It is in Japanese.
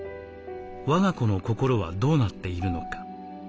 我が子の心はどうなっているのか。